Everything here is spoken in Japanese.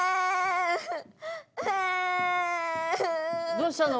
どうしたの？